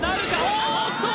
おおっと！